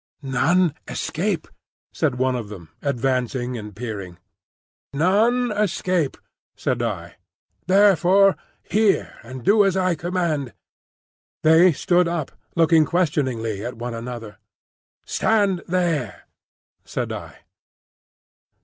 "None escape," said one of them, advancing and peering. "None escape," said I. "Therefore hear and do as I command." They stood up, looking questioningly at one another. "Stand there," said I.